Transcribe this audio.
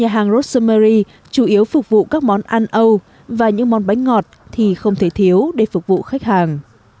hàng rossomeri chủ yếu phục vụ các món ăn âu và những món bánh ngọt thì không thể thiếu để phục vụ khách hàng